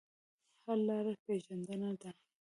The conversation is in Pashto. حل لاره پېژندنه ده.